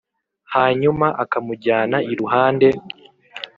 hanyuma akamujyana iruhande,